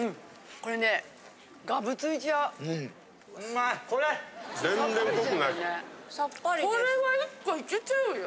これは１個いけちゃうよ。